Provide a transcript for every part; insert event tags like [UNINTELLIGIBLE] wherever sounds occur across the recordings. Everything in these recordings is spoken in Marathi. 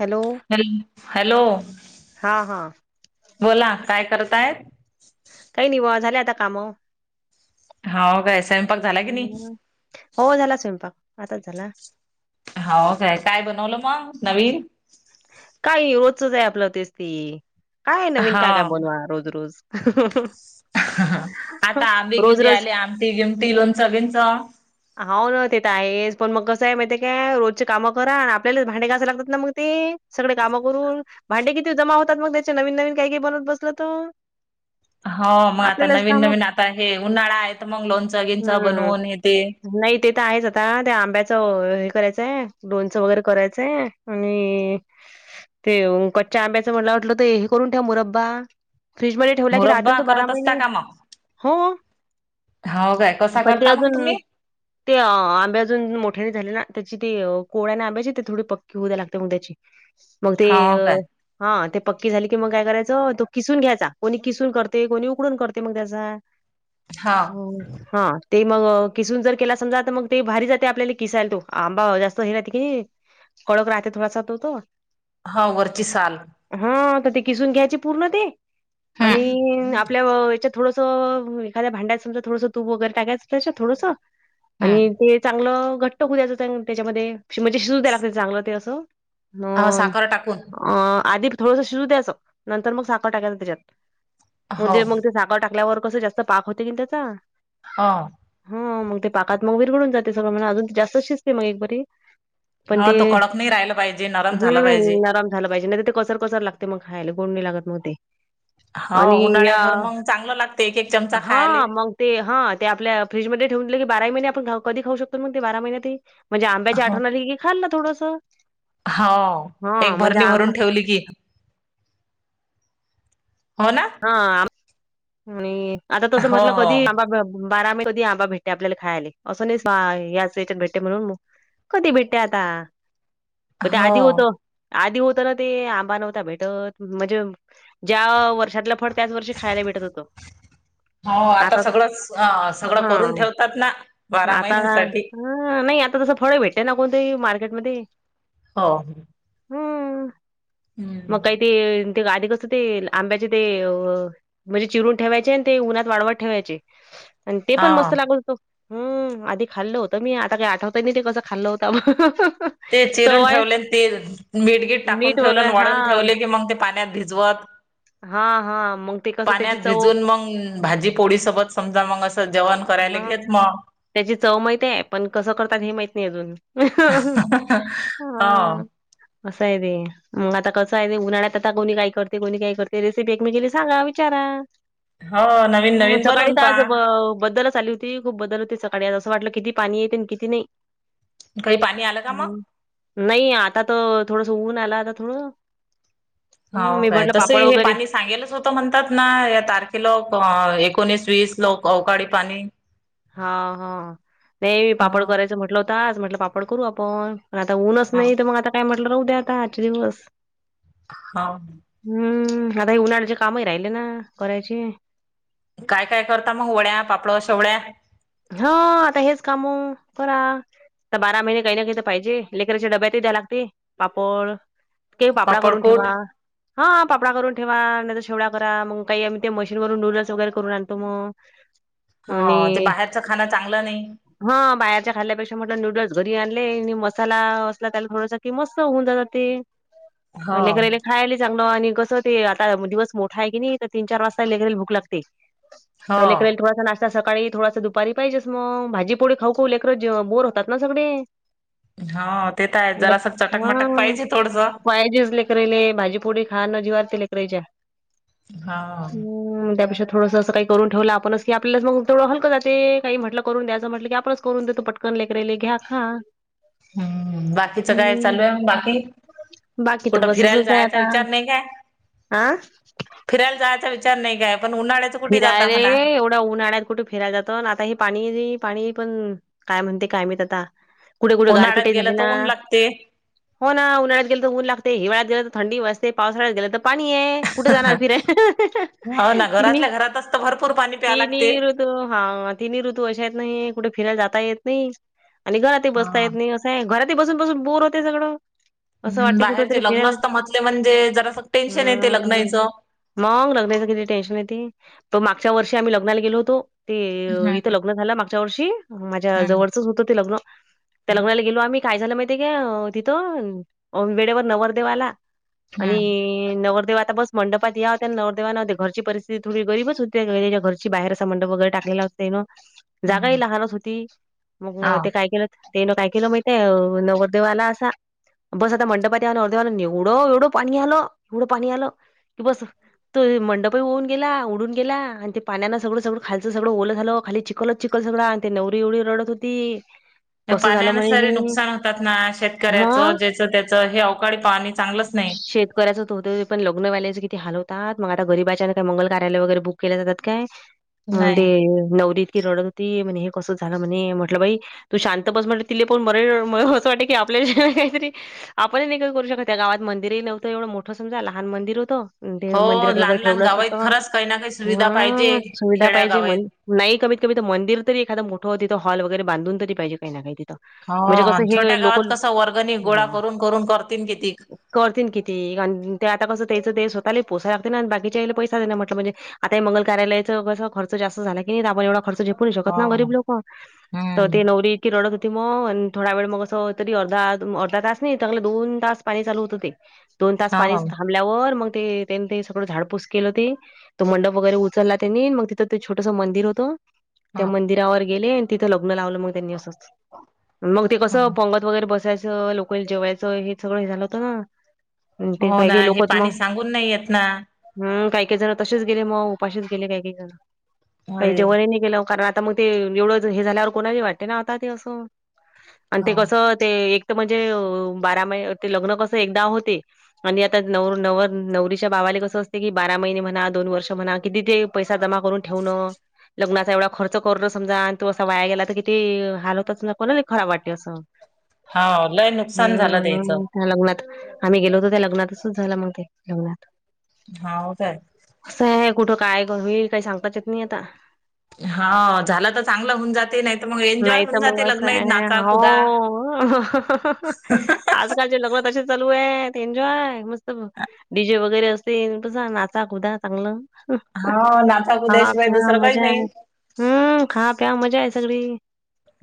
हॅलो हल हॅलो, हा हा बोला, काय करताय? काही नाही वा, झाले आता काम. हाव काय, स्वयंपाक झाला की नाही? हो, झाला स्वयंपाक, आताच झाला. हो काय, काय बनवलं मग नवीन? काय रोजचच आहे आपलं, तेच ते काय नवीन काय काय हाव बनवा, रोज रोज. आता आंबी रोज गिम रोज आली आमटी गिमटी लोणचं बिणचं हो ना ते तर आहेस पण मग कसं आहे माहितीये काय रोजची कामं करा आपल्यालाच भांडे घासायला लागतात ना मग ते सगळे कामं करून भांडे किती जमा होतात मग त्याचे नवीन नवीन काही काही बनवत बसल तर- हो मग आता आपल्यालाच नवीन काम नवीन आता हे उन्हाळा आहेत मग लोणचंगिंणचं हम्म बनवून हे तेे नाही ते तर आहेच आता ते आंब्याचं हे करायचंय लोणचं वगैरे करायचंय आणि ते कच्च्या आंब्याचं मला वाटलं ते हे करून ठेव मुरंबा फ्रीजमध्ये ठेवला की राहतं मुरब्बा तो बारा करत महिने असता हो हो काय कसा पण ते करता मग अजून तुम्ही ते आंबे अजून मोठे झाले ना त्याची ती कोळ्याने आंब्याची ते थोडी पक्की होऊ द्या लागते त्यांची मग ते हाव काय अ हा ते पक्की झाले की मग काय करायचं तो किसून घ्यायचा कोणी किसून करते कोणी उकडून करते मग त्याचा, हा हम् हा ते मग किसून जर केला समजा तर मग ते भारी जाते आपल्याला किसायला तो आंबा जास्त हे रा की कडक राहते थोडासा तो तो. हा वरची साल हा तर ते किसून घ्यायचे पूर्ण ते, आणि हम्म आपल्या ह्यांच्यात थोडसं एखाद्या भांड्यात समजा थोडंसं तूप वगैरे टाकायचं त्यांच्यात थोडसं हम्म आणि ते चांगलं घट्ट होऊ द्यायचं त्यांच्यामध्ये म्हणजे शिजू द्यायला लागत चांगलं ते असं- अ हो साखर टाकून अं आधी थोडंसं शिजू द्यायचं नंतर मग साखर टाकायचं त्याच्यात हो म्हणजे मग ते साखर टाकल्यावर कसं जास्त पाक होते की त्यांचा, हा हं मग ते पाकात मग विरघळून जाते सगळं [INAUDIBLE] अजून ते जास्त शिजते मग एक बरी, पण हा ते तो कडक नाही राहिला पाहिजे. नरम हम्म झाला पाहिजे. नरम झाला पाहिजे नाही ते कसर कसर लागते मग खायला गोड नाही लागत मग ते हा आणि उन्हाळ्या या भर मग चांगलं लागतय एक एक चमचा खायलय हां, मग ते हा ते आपल्या फ्रीजमध्ये ठेवून दिले की बारा महिने आपण कधी खाऊ शकतो मग ते बारा महिन्यांतही म्हणजे आंब्याची आठवण आली की खाल्लं थोडंसं हो एक हां, म्हणजे भरणी भरून आंबा ठेवली की. हो ना हा आणि आता तसं हो म्हंटलं हो कधी आंबा बारा महिने कधी आंबा भेटते आपल्याला आंबा खायला असं नाही ह्याच याच्यात भेटते म्हणून, कधी भेटते आता प ते हो आधी होत. आधी होत ना ते आंबा नव्हता भेटतं म्हणजे ज्या वर्षातला फड- त्याच वर्षी खायला भेटत होतं हो आता सगळंच सगळं करून हां, ठेवतात ना बारा महिन्यासाठी. ह नाही आता तसं फळ भेटते ना कोणताही मार्केट मध्ये हो हम्म हम्म मग काही ते ते गाडीत असतील ते आंब्याचे ते म्हणजे चिरून ठेवायचे आणि ते उन्हात वाळवत ठेवायचे आणि ते पण हा मस्त लागलं होतं हम्म आधी खाल्लं होत मी आता काही आठवत की नाही ते खाल्लं होत मग ते चिरून ठेवले ते मीठगीट टाकून मीठ ठेवले वगैरे हा वाळून ठेवले की मग ते पाण्यात भिजवत हा हा मग ते कसं त्याची पाण्यात चव भिजून मग भाजी पोळी सोबत समजा मग असं जेवण करायला हा घेत मग त्याची चव माहित आहे. पण, कसं करतात हे माहित नाही अजून. हो असं आहे ते. मग आता कसं आहे ते उन्हाळ्यात आता कोणी काही करते कोणी काय करते ते रेसिपी एकमेकीला सांगा विचारा हो नवीन हम्म नवीन सकाळी बनवून तर आज पहा. बद्दलच आली होती. ती खूप बदल होते सकाळी असं वाटलं किती पाणी येते आणि किती नाही. काही पाणी आलं का मग? नाई आता तर थोडसं ऊन आला आता थोडं हं, हो मी काय म्हटलं तस पापड हे वगैरे पाणी सांगेलच होत तो म्हणतात ना या तारखेला लोक एकोणीस वीस लोक अवकाळी पाणी. हा हा ते हा पापड करायचं म्हटलं होत आज म्हटलं पापड करू आपण. आता ऊनच हा नाही तर मग आता काय म्हटलं राहू द्या आता आजच्या दिवस हाऊ हम्म आता हे उन्हाळ्याचे कामही राहिले ना करायचे. काय करता मग वड्या पापड शेवळ्या. हा आता हेच कामु करा. आता बारा महिने काही ना काही तर पाहिजे. लेकराच्या डब्यात द्यायला लागते पापड ते पापडा करून पापडकुट? ठेवा. हा पापडा करून ठेवा नाहीतर चिवडा करा. मग, काही आम्ही ते मशीन डोनाल्ड वगैरे करून आणतो मग. हा ते बाहेरच खाण चांगलं नाही. हा बाहेरच्या खाल्ल्यापेक्षा म्हटलं नूडल्स घरी आणले आणि मसाला त्याला [UNINTELLIGIBLE] की मस्त होऊन जातात ते. [INAUDIBLE] [UNINTELLIGIBLE] खायला चांगलं आणि कसं ते आता दिवस मोठा आहे की नाही तर तीन चार वाजता लेकराला भूक लागते. हो तर लेकराला थोडासा नाश्ता सकाळी थोडासा दुपा दुपारी पाहिजेस मग भाजीपोळी खाऊ खाऊ लेकर बोर होतात ना सगळे. हो ते तर आहे हम्म जरास चटकमटक पाहिजे थोडस हा पायजे ले खरंय न भाजी पोळी खांयला जिवारती लकरेच्या. हा हम्म त्यापेक्षा थोडस अस काही करून ठेवलं आपणच की आपल्याला मग थोडं हलकं जात ते काही म्हटलं करून द्याचं म्हटलं की आपणच करून देतो पटकन लेकराले घ्या खा. हम्म बाकीच काय हं, चालू आहे. बाकी? बाकी तर कुठं बस फिरायला असंच आहे जायचा आता. विचार नाही काय? आ? फिरायला जायचा विच चार नाही काय? पण उन्हाळ्यात फिराय रे एवढं उन्हाळ्यात कुठे फिरायला जातो. आता हे पाणी पाणी पण काय म्हणते काय माहित आता. कुठे कुठे उन्हाळ्यात गारपीटही गेलं झाली तर ना. ऊन लागते. हो ना उन्हाळ्यात गेलं तर ऊन लागते. हिवाळ्यात गेलं तर थंडी वाजते. पावसाळ्यात गेलं तर पाणी हाय. कुठे जाणार फिराय तिन्ही आपल्या घरात असतं भरपूर पाणी प्याव तिन्ही लागतेय. हा तिन्ही ऋतू अशा येत नाई कुठे फिरायला जाता येत नाही आणि घरात ही बसता येत हा. नाही अस. नाही घरात बसून बसून बोर होते सगळं. असं हम् वाटते कुठ तरी बाहेरचे लग्न फिरायला असत म्हटले म्हणजे जरा टेन्शन येते हम्म लग्नाचं. मग लग्नाच किती टेन्शन येतेय. तो मागच्या वर्षी आम्ही लग्नाला गेलो होतो ते हम्म इथं इथलं ल झा मागच्या वर्षी माझ्या हम्म जवळच होतं ते लग्न त्या हम्म लग्ना गेलो आम्ही काय झालं माहितीय का तिथं वेळेवर नवरदेव आला. हम्म आणि नवरदेव आता बस मंडपात याव त्यानं, नवरदेवा नव घरची परि थोडी गरीबच होते त्याच्या घरची बाहेर अस मंडप वगैरे टाकलेला असते ना हम्म जागाही लहानच होती मग हाव ते काय केलं तेन काय केलं माहित आहे नवरदेवाला असा बस आता मंडपात त्या नवर देवाला एवढं एवढं पाणी आल एवढं पाणी आलं की बस. ते मंडपही वाहून गेला उडून गेला आणि ते पाण्यांन सगळं सगळं खालच सगळं ओलं झालं खाली चिखलच चिखल सगळं आणि ती नवरी एवढी रडत हो ती. त्या पाण्यानं सार नुकसान होतात ना मग शेतकऱ्याचं ज्याचं त्याचं हे अवकाळी पाणी चांगलंच नाही. शेतकऱ्याचे तर होतंय पण लग्न वाल्याचं किती हाल होतात मग आता गरीबाच्यान ते मंगल कार्यालय वगैरे बुक केली जातात काय मग ते नाही नवरी इतकी रडत हो ती म्हणे हे कसं झालं म्हणे म्हटलं बाई तू शांत बस म्हटल तिले पण बरं मग असं वाटे की आपल्या हेच्याने काहीतरी आपणही नाही काय करू शकत त्या गावात मंदिरही नव्हतं एवढं मोठं समजा लहान मंदिर होतं. ते हो मंदिरात लहान वगैरे लहान ठेवलं असत गावात तर खरंच काही ना काही सुविधा पाहिजे हां सुविधा खेड्या पाहिजे गावात. माई नाही कमीत कमी तर मंदिर एखाद मोठं तिंथ हॉल वगैरे बांधून तरी पाहिजे काही ना काही तिंथ. हो आणि छोट्या गावात कसं वर्गणी गोळा करून करून करतील कितीक? करतील किती आणि ते आता कसं त्याचं ते स्वतःले पोसाय लागतंय ना आणि बाकीच्याले पैसे म्हटलं म्हणजे आता मंगल कार्यालयच कस खर्च जास्त झाला की आपण एवढा खर्च शकत हो नाही गरीब लोक तर हम्म ते नवरी इतकी रडत होती मग आणि थोडा वेळ मग असं तरी अर्धा, अर्धा तास नाही चांगले दोन तास पाणी चालू होतं ते. दोन तास पाणी हो थांबल्यावर मग ते त्यांनी ते सगळं झाड पुस केल होती तो मंडप वगैरे उचलला त्यांनी मग तिथं ते छोटस मंदिर होतं. हो त्या मंदिरावर गेले आणि तिथं लग्न लावलं मग त्यांनी असंच मग ते हो. कसं पंगत वगैरे बसायचं लोकाल जेवायचं हे सगळं हे झालं होतं ना. अन ते हो काही ना काही हे लोकच पाणी मग सांगून नाही येत ना. हम्म काही काही जण तसेच गेले मग उपाशीच गेले काही काही जण काही अरे जेवणही नाही गेलं कारण आता मग ते एवढं हे झाल्यावर कोणाही वाटते ना आता ते असं आणि हो. ते कसं ते एक तर म्हणजे बारा महि ते लग्न कसं एकदा होते. आणि आता नवर नवर नवरीच्या भावाला कसं अस ते की बारा महिने म्हणा दोन वर्ष म्हणा किती ते पैसा जमा करून ठेवणं लग्नाचा एवढा खर्च करून समजा आणि तो असं वाया गेला तर किती हाल होतच ना कोणाही खराब वाटते असं. [INAUDIBLE] लय नुकसान झालं त्याचं हम्म. त्या लग्नात आम्ही गेलो होतो त्या लग्नातच झालं मग ते लग्नात. हाव काय? असं आहे कुठं काय कर होईल काही सांगताच येत नाही आता. हा झालं तर चांगलं होऊन जाते नाही तर मग एन्जॉय नाही तर होऊन मग जाते लग्न असं आहे नाचा हो. कुदा आजकालचे लग्न असे चालू आहेत एन्जॉय मस्त डीजे वगैरे अस ते कसं नाचा, कुदा चांगलं हा नाचा खा कुद्याशिवाय प्या दुसरं काही मजा नाही आहे. हम्म खा प्या मजा आहे सगळी.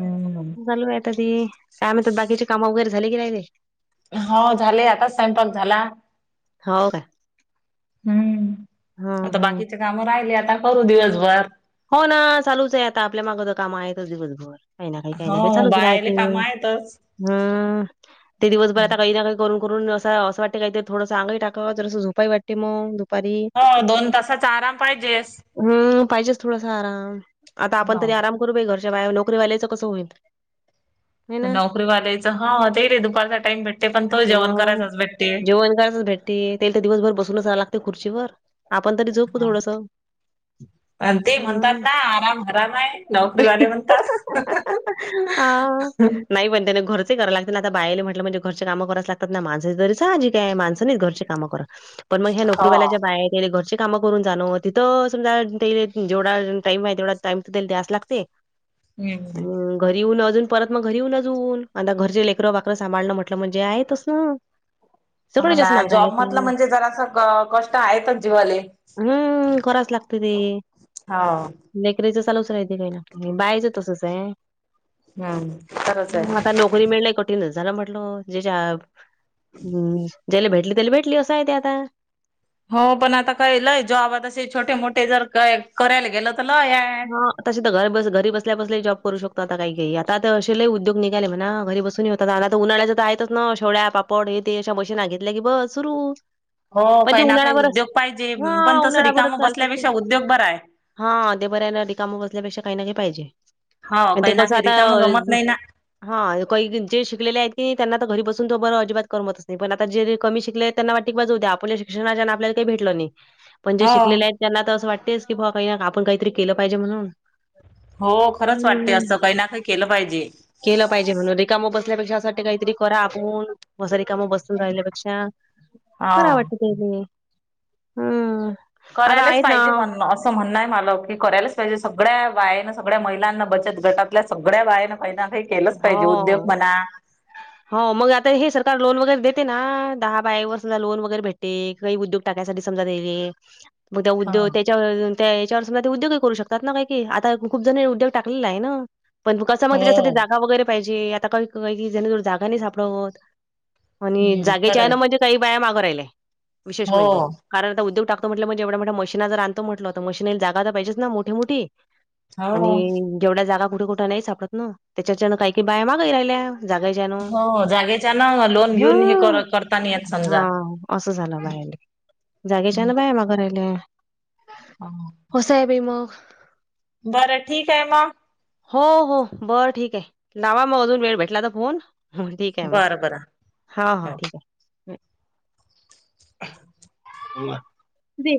हम्म. चालू रायते ते, काय म्हणतात बाकीची काम वगैरे झाली की नाही रे? हो झालेय आताच स्वंयंपाक झाला हो का? हम्म. हं आता हं. बाकीचे काम राहिले आता करू दिवसभर. हो ना चालूच आहे आता आपल्या माग तर कामं आहेतच दिवसभर. काही ना काही. काही हो ना काही चालूच बायाले राहते. काम आहेतच हम्. ते दिवस भर आता बाहीना करून करून असं असं वाटते काय, तर थोडंस अंग टाकाव. जरास झोपाइ वाटते मग. दुपारी. हो. दोन तासाचा आराम पाहिजेस. हम् पाहिजेच थोडासा आराम. आता आपण तरी हाव आराम करू बाइ घरच्या बाया. नोकरीवाल्याच कसं होईल. हे ना नोकरी वाल्याचं हा. ते रे दुपारचा टाइम भेटते. पण तो जेवण करायचाच भेटते. वन टाइमच भेटते. ते तर दिवसभर बसूनच राहाय लागते खुर्ची वर. आपण तरी झोपू थोडस. आण ते म्हणतात ना, आराम हराम आहे. नोकरीवाले म्हणतात. अ. नाई पण त्याने खरंच ते कराय लागत ना. आता बाईले म्हटलं म्हणजे घरचे काम करावच लागतात ना. माणस तरी साहजिक आहे. माणसं नाहीत घरचे काम करत. पण मग ह्या हो. नोकरीवाल्या ज्या बाया घरची कामं करून जाणं. तिथ समजा ते जेवढा टाईम आहे. तेवढा टाईम तिथ द्यायालाच लागते. हम् हम्. आणि घरी येऊन अजून. परत मग घरी येऊन अजुन अंदा घरचे लेकरं वाकरं सांभाळणं म्हटलं म्हणजे आहे तच ना. हा ना सगळ्याच्याच मागं आहे जॉब ते. म्हटंल, म्हणजे जरासं कष्ट आहेतच जीवाले. हम्म करावच लागत ते. हाव. लेकरीच चालूच राहिती काही ना काही. बाईचं तसच हाय. हम, खरंच हाय. पोरी मिळने कठीनच जरा म्हटल ज्याच्या ज्याला भेटली त्याला भेटली असं आहे त्यात. आता हो. पण आता काय लय जॉब आता छोटे- मोठे जर काय करायला गेलं तर लय हाय. हा. तशे त घर बस घरी बसल्या बसल्या ही जॉब करू शकतो. आता काही काही आता तर तशे लइ उद्योग निघाले म्हणा घरी बसून ही झाल आता उन्हाळ्याच तर आहेतच ना. शेवळ्या, पापड हे ते अश्या मशीना घेतल्या की बस सुरू. हो पण ते काइ ना काइ उन्हाळ्यावरच उद्योग पाहीजे हा पण तसं उन्हाळ्यावरच रिकामं चालतात ते. बसल्यापेक्षा उद्योग बराय. हा ते बर हायना. रिकाम बसल्यापेक्षा काही ना काही पाहीजे हो ते काही ना कसं काही आता रिकाम गमत नाही ना हा. काही जे शिकलेल आहेत ते त्यांना त घरी बसून तो बर अजिबात करमतच नाही. पण आता जे कमी शिकले आहेत त्यांना वाटतय की बस होऊद्या. आपल्या शिक्षणाच्या आपल्याला काही भेटलं नाही. पण जे हो. शिकलेले आहेत. त्यांना तर असं वाटतेच की, बुवा काही आपण काहीतरी केलं पाहिजे म्हणून, हो. खरंच वाटते हम्म असं. काही ना काही केलं पाहीजे. केलं पाहिजे म्हणून. रिकाम बसल्यापेक्षा अस वाटते काइतरी करा आपून. हो. सारी काम बसुन राहिल्यापेक्षा. कराव हा. वाटत तेसनी. हम्. करायलाच पाईजे पण मग अस. असं म्हणणं मला की करायलाच पाहिजे. सगळ्या बायानं सगळ्या महिलांना बचत गटातल्या सगळ्या बायानं काही ना काही केलंच पाहिजे हो. उद्योग म्हणा [INAUDIBLE] हो मग आता हे सरकार लोन वगैरे देते ना. दहा बाया वर सुदा लोन वगैरे भेटते. काही उद्योग टाकण्यासाठी समजा देणे. मग त्या हा उद्योगं त्या त्या हेच्यावर सुद्दा उद्योगही करू शकतात ना. काही काही आता खूप जण उद्योग टाकलेल हाय ना. पण कसं म तेज्यासाठी हो जागा वगैरे पाहीजे. आता का काही जण जागा नाही सापडत. आणि हम्म जागेच्या खरंय हेन म्हणजे काई बाया मागं राहिल्या विशेष हो म्हणजे. कारण आता उद्योग टाकतो म्हटल म्हणजे, एवढ्या मोठ्या मशिना जर आणतो म्हटल, तर मशीनीला जागा तर पाहिजे ना मोठी मोठी. आणि हो जेवड्या जागा कुट कुट नाही सापडत ना. त्याच्याच्यान काइ काइ बाया मागइ राहिल्या. जागा हायच्यान हो जागेच्या ना लोन ह घेऊन हे करताना येत समजा हा. असं झालं बायाले, जागेच्या ना बाय माग राहिले. आहा कसंय बाई मग? बरं ठीक हाय मग? हो, हो बरं ठीक हाय लावा मग, अजून वेळ भेटला तर फोन. हो ठीक आहे मग, बरं बरं हा हा हो ठीक हाय. दे